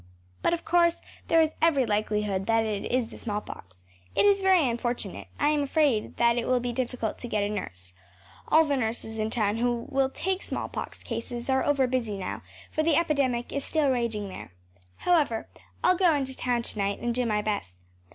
But, of course, there is every likelihood that it is the smallpox. It is very unfortunate. I am afraid that it will be difficult to get a nurse. All the nurses in town who will take smallpox cases are overbusy now, for the epidemic is still raging there. However, I’ll go into town to night and do my best.